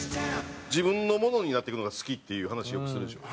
自分のものになっていくのが好きっていう話よくするでしょ？